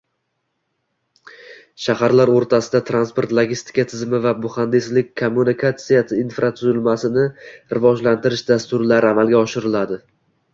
shaharlar o‘rtasida transport-logistika tizimi va muhandislikkommunikatsiya infratuzilmasini rivojlantirish dasturlari amalga oshiriladi.